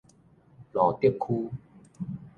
路竹區